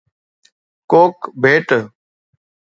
ڪوڪ ڀيٽ